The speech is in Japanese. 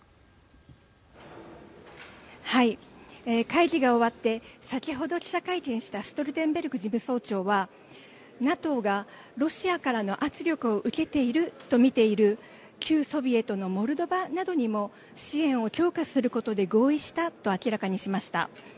会議が終わって先ほど記者会見したストルテンベルグ事務総長はＮＡＴＯがロシアからの圧力を受けていると見ている旧ソビエトのモルドバなどにも支援を強化することで合意したと明らかにしました。